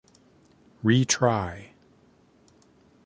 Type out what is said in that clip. Retry.